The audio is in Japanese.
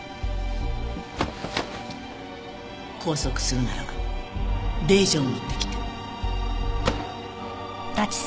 拘束するなら令状持ってきて。